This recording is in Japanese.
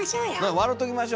笑ときましょ。